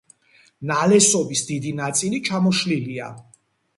ნალესობის დიდი ნაწილი ჩამოშლილია.